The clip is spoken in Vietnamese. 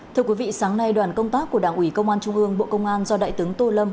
thưa quý vị sáng nay đoàn công tác của đảng ủy công an trung ương bộ công an do đại tướng tô lâm